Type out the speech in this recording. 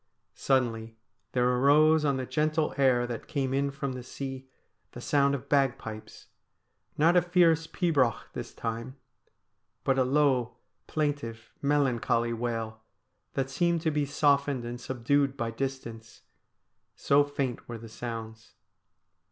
Suddenly there arose on the gentle air that came in from the sea the sound of bagpipes — not a fierce pibroch this time, but a low, plaintive, melancholy wail, that seemed to be softened and subdued by distance, so faint were the sounds.